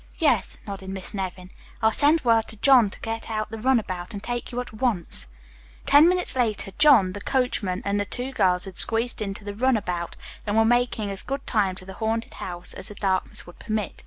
"Yes," nodded Miss Nevin. "I'll send word to John to get out the run about and take you at once." Ten minutes later John, the coachman, and the two girls had squeezed into the run about and were making as good time to the haunted house as the darkness would permit.